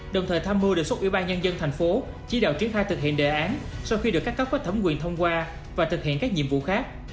đồng thời tham mưu đề xuất ủy ban nhân dân thành phố chỉ đạo triển khai thực hiện đề án sau khi được các cấp có thẩm quyền thông qua và thực hiện các nhiệm vụ khác